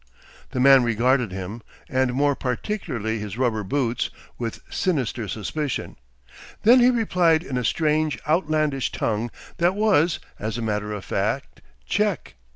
The man regarded him, and more particularly his rubber boots, with sinister suspicion. Then he replied in a strange outlandish tongue that was, as a matter of fact, Czech.